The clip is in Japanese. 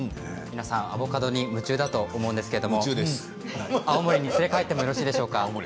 皆さん、アボカドに夢中だと思うんですけれども青森に連れ帰ってもいいでしょうか。